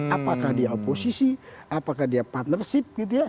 apakah dia oposisi apakah dia partnership